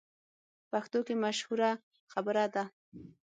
پښتو کې مشهوره خبره ده: